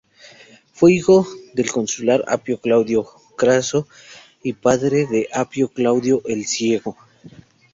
Fue hijo del consular Apio Claudio Craso y padre de Apio Claudio el Ciego.